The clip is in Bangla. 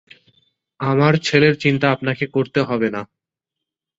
আমার ছেলের চিন্তা আপনাকে করতে হবে না।